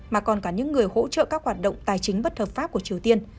mà còn cả những người hỗ trợ các hoạt động tài chính bất hợp pháp của triều tiên